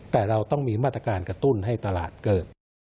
แต่เราต้องมีมาตรการกระตุ้นให้ตลาดเกิด